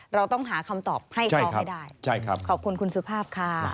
เราต้องหาคำตอบให้เขาให้ได้ขอบคุณคุณสุภาพค่ะ